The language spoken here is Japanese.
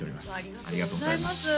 ありがとうございます